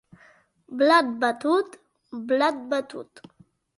Blat batut, blat batut!